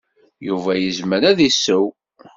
Yuba yezmer ad iseww.